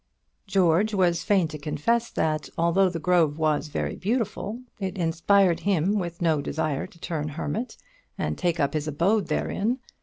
George was fain to confess that, although the grove was very beautiful, it inspired him with no desire to turn hermit, and take up his abode therein.